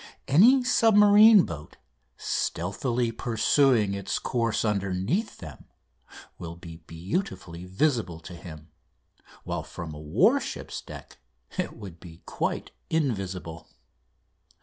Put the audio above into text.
Any submarine boat, stealthily pursuing its course underneath them, will be beautifully visible to him, while from a warship's deck it would be quite invisible.